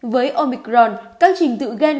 với omicron các trình tự gen